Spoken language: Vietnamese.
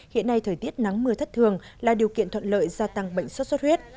hiện nay thời tiết nắng mưa thất thường là điều kiện thuận lợi gia tăng bệnh xuất xuất huyết